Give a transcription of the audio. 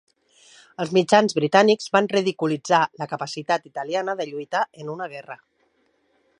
Els mitjans britànics van ridiculitzar la capacitat italiana de lluitar en una guerra.